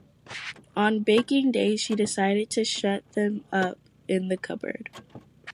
On baking day she decided to shut them up in a cupboard.